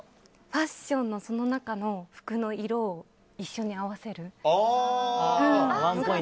ファッションの中の服の色を一緒に合わせる。